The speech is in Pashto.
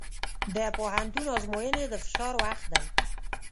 د پوهنتون ازموینې د فشار وخت دی.